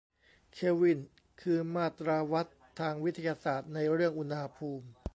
เคลวินคือมาตราวัดทางวิทยาศาสตร์ในเรื่องอุณหภูมิ